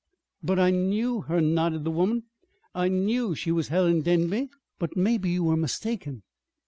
"But I knew her," nodded the woman. "I knew she was Helen Denby." "But maybe you were mistaken."